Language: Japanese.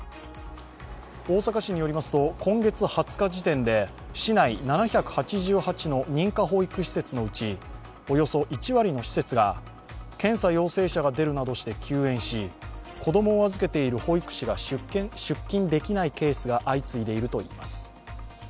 大阪市によりますと、今月２０日時点で市内７８８の認可保育施設のうちおよそ１割の施設が、検査陽性者が出るなどして休園し、子供をあずけている保育士が出勤できないケースが相次いでいるといいます。